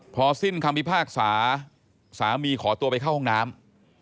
พอสิ้นคำพิพากษาสามีขอตัวไปเข้าห้องน้ำ